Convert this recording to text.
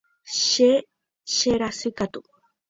Che cherasykatu.